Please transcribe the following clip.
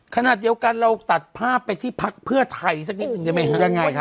ขณะเดียวกันเราตัดภาพไปที่พักเพื่อไทยสักนิดนึงได้ไหมฮะยังไงฮะ